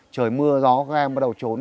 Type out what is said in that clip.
trời mưa gió các em bắt đầu trốn